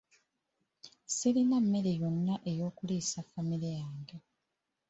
Sirina mmere yonna ey'okuliisa famire yange.